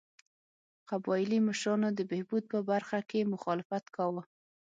قبایلي مشرانو د بهبود په برخه کې مخالفت کاوه.